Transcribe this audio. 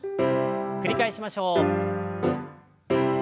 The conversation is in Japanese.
繰り返しましょう。